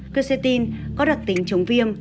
quercetin có đặc tính chống viêm